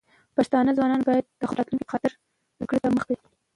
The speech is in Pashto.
پښتانه ځوانان بايد د خپل راتلونکي په خاطر زده کړو ته مخه کړي.